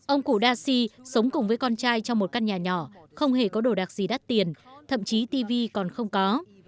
ông củ dasi sống cùng với con trai trong một căn nhà nhỏ không hề có đồ đặc gì đắt tiền thậm chí tv còn không có